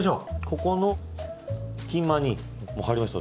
ここの隙間に入りましたよ